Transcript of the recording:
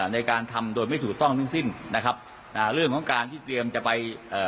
ในการทำโดยไม่ถูกต้องซึ่งนะครับเรื่องของการที่เตรียมจะไป